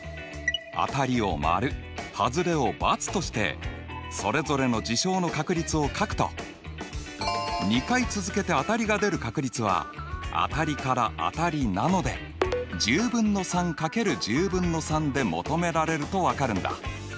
当たりを○はずれを×としてそれぞれの事象の確率を書くと２回続けて当たりが出る確率は当たりから当たりなので１０分の３×１０分の３で求められると分かるんだ。